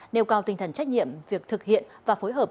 nêu cao tinh thần trách nhiệm việc thực hiện và phối hợp